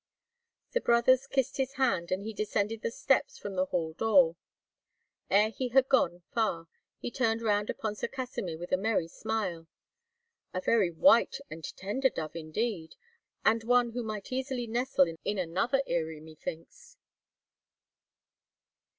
The brothers kissed his hand, and he descended the steps from the hall door. Ere he had gone far, he turned round upon Sir Kasimir with a merry smile: "A very white and tender dove indeed, and one who might easily nestle in another eyrie, methinks."